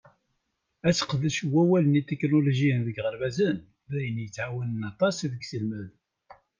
Aseqdec n wallalen itiknulujiyen deg yiɣerbazen d ayen yettƐawanen aṭas deg uselmed.